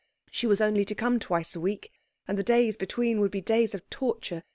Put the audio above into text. She was only to come twice a week; and the days between would be days of torture.